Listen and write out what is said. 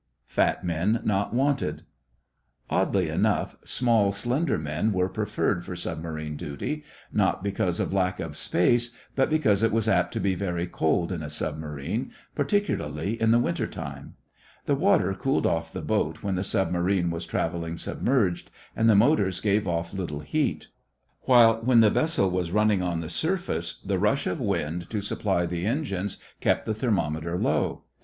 FAT MEN NOT WANTED Oddly enough, small, slender men were preferred for submarine duty, not because of lack of space, but because it was apt to be very cold in a submarine, particularly in the winter time. The water cooled off the boat when the submarine was traveling submerged, and the motors gave off little heat; while when the vessel was running on the surface the rush of wind to supply the engines kept the thermometer low.